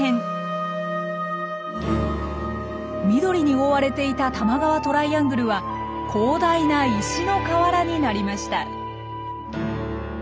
緑に覆われていた多摩川トライアングルは広大な石の河原になりました。